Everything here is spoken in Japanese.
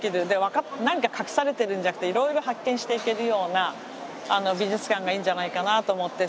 何か隠されてるんじゃなくていろいろ発見していけるような美術館がいいんじゃないかなと思って。